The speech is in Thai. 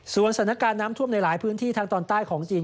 สถานการณ์น้ำท่วมในหลายพื้นที่ทางตอนใต้ของจีน